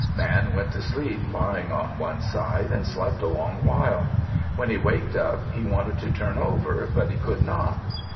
Man went to sleep lying on one side, and slept a long while. When he waked up, he wanted to turn over, but he could not.